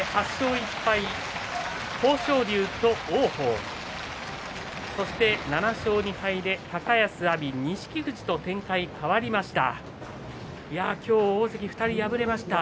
８勝１敗豊昇龍と王鵬そして２敗が高安、阿炎錦富士という展開に変わりました。